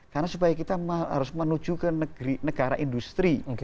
karena supaya kita harus menuju ke negara industri